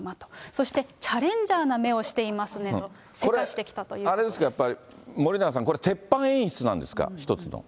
そして、チャレンジャーな目をしていますねと、これ、あれですか、やっぱり、森永さん、これ、鉄板演出なんですか？